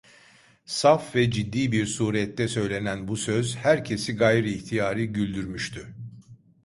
Saf ve ciddi bir surette söylenen bu söz herkesi gayri ihtiyari güldürmüştü.